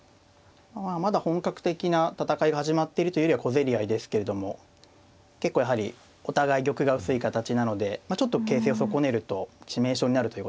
まだ本格的な戦いが始まってるというよりは小競り合いですけれども結構やはりお互い玉が薄い形なのでちょっと形勢を損ねると致命傷になるということがありますからね